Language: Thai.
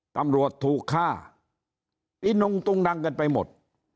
ตำรวจถูกฆ่าอินงตุงนังกันไปหมด